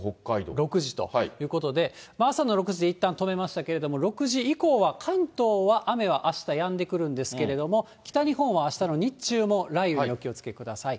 ６時ということで、朝の６時でいったん止めましたけど、６時以降は関東は雨はあしたやんでくるんですけども、北日本はあしたの日中も雷雨にお気をつけください。